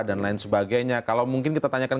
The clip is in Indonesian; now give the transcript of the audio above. dan lain sebagainya kalau mungkin kita tanyakan